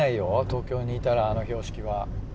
東京にいたらあの標識は。